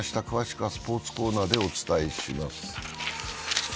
詳しくはスポーツコーナーでお伝えします。